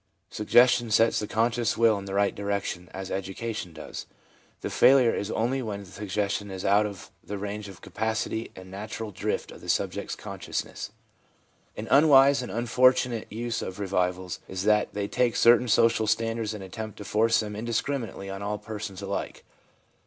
Suggestion sets the conscious will in the right direction as education does.' 1 The failure is only when the suggestion is out of the range of the capacity and natural drift of the subject's consciousness. An unwise and unfortunate use of revivals is that they take certain social standards and attempt to force them indiscriminately on all persons alike.